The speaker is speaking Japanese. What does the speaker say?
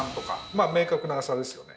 まあ明確な差ですよね。